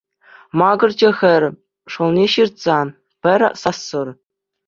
Макӑрчӗ хӗр, шӑлне ҫыртса, пӗр сассӑр.